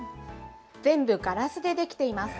全部ガラスでできています。